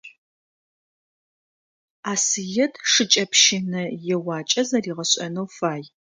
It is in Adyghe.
Асыет шыкӀэпщынэ еуакӀэ зэригъэшӀэнэу фай.